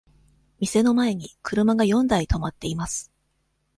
店の前に車が四台止まっています。